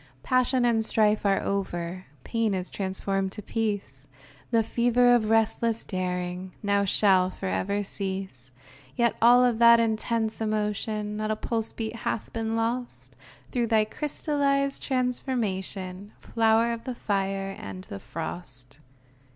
Passion and strife are over ; Pain is transformed to peace, The fever of restless daring Now shall forever cease. Yet of all that intense emotion Not a pulse beat hath been lost Through thy crystallized transformation, Flower of the fire and the frost